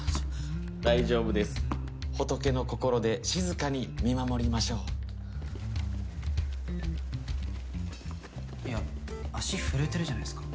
・大丈夫です仏の心で静かに見守りましょう。いや足震えてるじゃないですか。